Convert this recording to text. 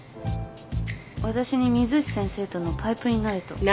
私に水内先生とのパイプになれと？